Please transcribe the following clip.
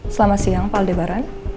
selamat siang pak aldebaran